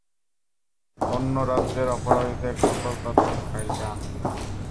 অন্য রাজ্যের অপরাধীদের সকল তথ্যের ফাইলটা আনো।